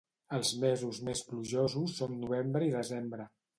Els mesos més plujosos són novembre i desembre.